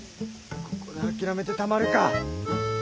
ここで諦めてたまるか！